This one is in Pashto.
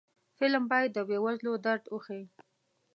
فلم باید د بې وزلو درد وښيي